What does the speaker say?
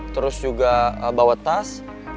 terus juga bawa tas